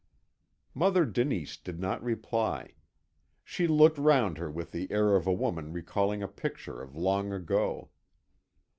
Mother Denise did not reply. She looked round her with the air of a woman recalling a picture of long ago.